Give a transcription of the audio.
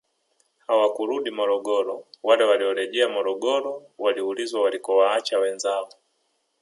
Hawakurudi Morogoro wale waliorejea Morogoro waliulizwa walikowaacha wenzao